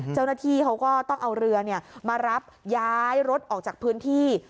เจ้าหน้าที่เขาก็ต้องเอาเรือมารับย้ายรถออกจากพื้นที่